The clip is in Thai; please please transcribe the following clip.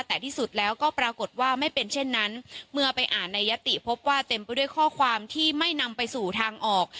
แต่ที่สุดแล้วก็ปรากฏว่าไม่เป็นเช่นนั้นเมื่อไปอ่านในยติพบว่าเต็มไปด้วยข้อความที่ไม่นำไปสู่ทางออก